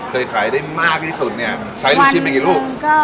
เคยขายได้มากที่สุดเนี่ยใช้ลูกชิ้นไปกี่ลูก